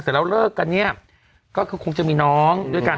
แต่เราเลิกกันนี้ก็คงจะมีน้องด้วยกัน